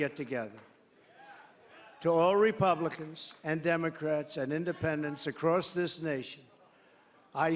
untuk semua republikan demokrat dan independen di seluruh negara ini